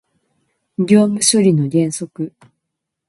業務処理の原則